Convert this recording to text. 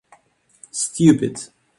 Stupid.